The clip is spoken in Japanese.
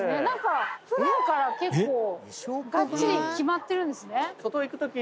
何か普段から結構がっちり決まってるんですね」